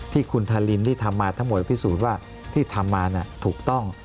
ที่คุณทารินที่ทำมาทั้งหมดพิสูจน์ว่าที่ทำมาถูกต้อง